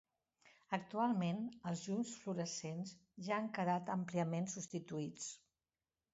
Actualment, els llums fluorescents ja han quedat àmpliament substituïts